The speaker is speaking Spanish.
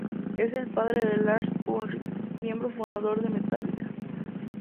Es el padre de Lars Ulrich, miembro fundador de Metallica